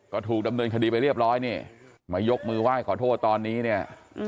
ก็ถูกดำเนินคดีไปเรียบร้อยนี่มายกมือไหว้ขอโทษตอนนี้เนี่ย